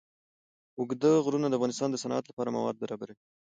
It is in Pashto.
اوږده غرونه د افغانستان د صنعت لپاره مواد برابروي.